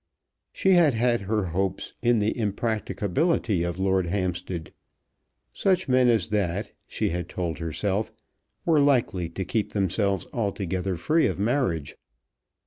She had had her hopes in the impracticability of Lord Hampstead. Such men as that, she had told herself, were likely to keep themselves altogether free of marriage.